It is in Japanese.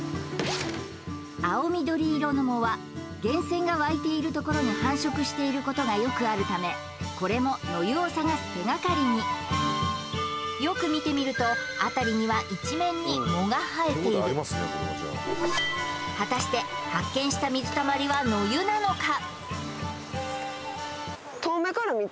青緑色の藻は源泉が湧いている所に繁殖していることがよくあるためこれも野湯を探す手がかりによく見てみると辺りには一面に藻が生えている果たして発見した水たまりは野湯なのか？